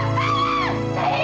bapak hukum saya masih